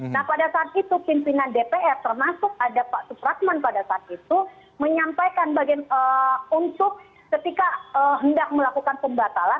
nah pada saat itu pimpinan dpr termasuk ada pak supratman pada saat itu menyampaikan untuk ketika hendak melakukan pembatalan